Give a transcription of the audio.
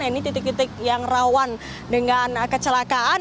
ini titik titik yang rawan dengan kecelakaan